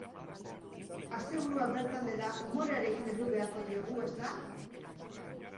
Asteburua bertan dela, umorearekin heldu beharko diogu, ezta?